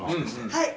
はい。